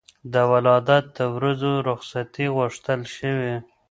د ولادت د ورځو رخصتي غوښتل شوې.